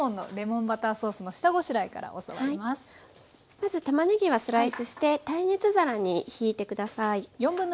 まずたまねぎはスライスして耐熱皿にひいて下さい。